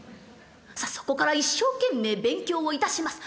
さあそこから一生懸命勉強をいたします。